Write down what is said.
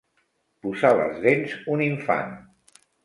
Posar les dents un infant.